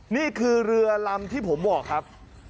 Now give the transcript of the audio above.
นี่คือเรือลำที่ผมบอกครับ